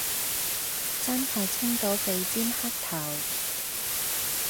真係清到鼻尖黑頭